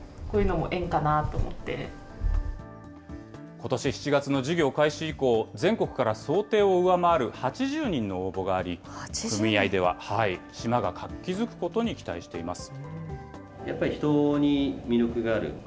ことし７月の事業開始以降、全国から想定を上回る８０人の応募があり、組合では島が活気づくことに期待しています。